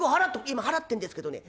「今払ってんですけどね